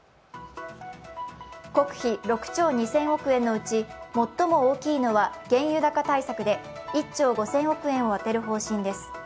国費６兆２０００億円のうち最も大きいのは原油高対策で１兆５０００億円を充てる方針です。